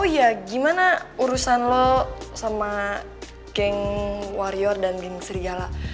oh iya gimana urusan lu sama geng warior dan geng serigala